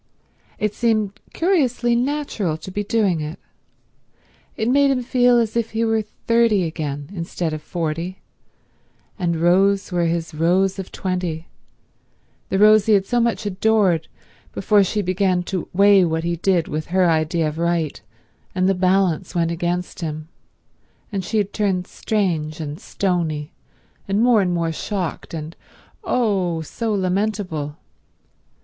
It seemed curiously natural to be doing it. It made him feel as if he were thirty again instead of forty, and Rose were his Rose of twenty, the Rose he had so much adored before she began to weigh what he did with her idea of right, and the balance went against him, and she had turned strange, and stony, and more and more shocked, and oh, so lamentable.